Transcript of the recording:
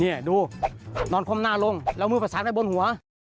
นี่ดูนอนคว่ำหน้าลงแล้วมือประสานไว้บนหัว